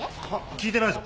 聞いてないぞ。